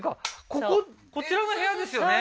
こここちらの部屋ですよね